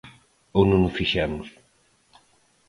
¿Ou non o fixeron?